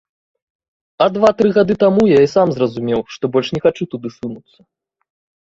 А два-тры гады таму я і сам зразумеў, што больш не хачу туды сунуцца.